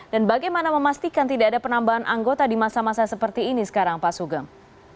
dan bagaimana memastikan tidak ada penambahan anggota di masa masa seperti ini sekarang pak sugeng